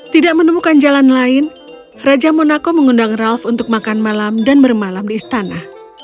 tidak menemukan jalan lain raja monaco mengundang ralf untuk makan malam dan bermalam di istana